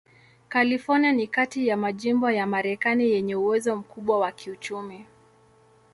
California ni kati ya majimbo ya Marekani yenye uwezo mkubwa wa kiuchumi.